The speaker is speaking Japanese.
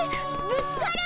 ぶつかる！